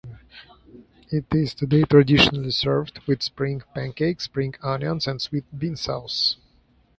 It is today traditionally served with spring pancakes, spring onions and sweet bean sauce.